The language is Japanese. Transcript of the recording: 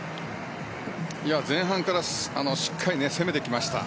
前半からしっかり攻めてきました。